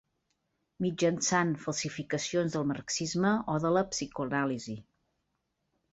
Mitjançant falsificacions del marxisme o de la psicoanàlisi.